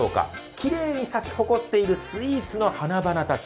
きれいに咲き誇っているスイーツの花々たち。